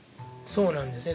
そうなんですね